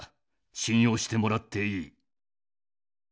信用してもらっていい。